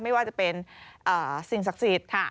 ไม่ว่าจะเป็นสิ่งศักดิ์สิทธิ์